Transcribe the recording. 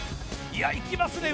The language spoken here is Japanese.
いやいきますね